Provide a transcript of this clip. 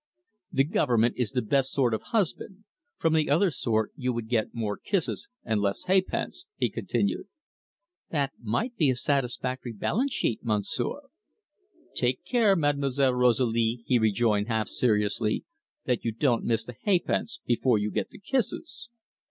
"The government is the best sort of husband. From the other sort you would get more kisses and less ha'pence," he continued. "That might be a satisfactory balance sheet, Monsieur." "Take care, Mademoiselle Rosalie," he rejoined, half seriously, "that you don't miss the ha'pence before you get the kisses."